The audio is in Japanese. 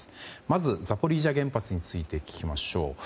まず、ザポリージャ原発について聞きましょう。